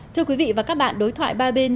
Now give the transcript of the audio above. thưa quý vị và các bạn đối thoại ba bên